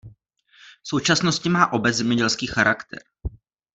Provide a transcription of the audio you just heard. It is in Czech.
V současnosti má obec zemědělský charakter.